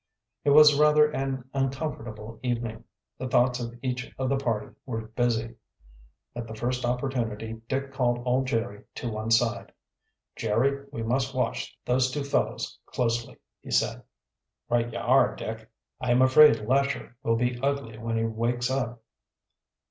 It was rather an uncomfortable evening. The thoughts of each of the party were busy. At the first opportunity Dick called old Jerry to one side. "Jerry, we must watch those two fellows closely," he said. "Right ye are, Dick." "I am afraid Lesher will be ugly when he wakes up."